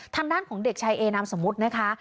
ทางด้านของเด็กชายเอนามสมมุตินะคะ